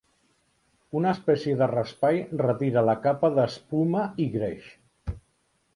Una espècie de raspall retira la capa d'espuma i greix.